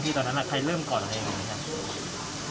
พี่ตอนนั้นล่ะใครเริ่มก่อนอะไรแบบนี้